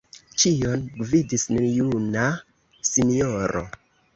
Ĉion gvidis nejuna sinjoro.